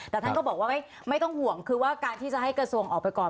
แต่ท่านก็บอกว่าไม่ต้องห่วงคือว่าการที่จะให้กระทรวงออกไปก่อน